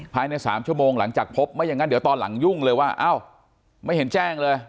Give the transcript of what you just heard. ภายใน๓ชั่วโมงหลังจากพบไม่อย่างนั้นเดี๋ยวตอนหลังยุ่งเลยว่าอ้าวไม่เห็นแจ้งเลย